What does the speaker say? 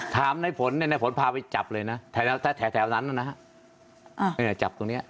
ในผลเนี่ยในผลพาไปจับเลยนะแถวนั้นนะฮะจับตรงนี้